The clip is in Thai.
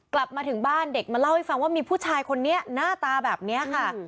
กลับมาถึงบ้านเด็กมาเล่าให้ฟังว่ามีผู้ชายคนนี้หน้าตาแบบนี้ค่ะ